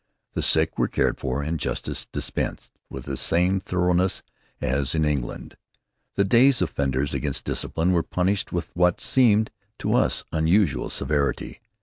The sick were cared for and justice dispensed with the same thoroughness as in England. The day's offenders against discipline were punished with what seemed to us unusual severity.